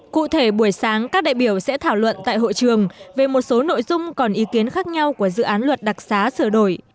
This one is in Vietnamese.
cụ thể buổi sáng các đại biểu sẽ thảo luận tại hội trường về một số nội dung còn ý kiến khác nhau của dự án luật đặc xá sửa đổi